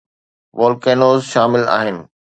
volcanoes شامل آهن